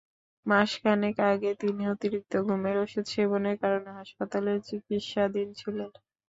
মাস খানেক আগে তিনি অতিরিক্ত ঘুমের ওষুধ সেবনের কারণে হাসপাতালে চিকিৎসাধীন ছিলেন।